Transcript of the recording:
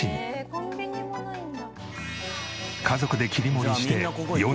家族で切り盛りして４７年。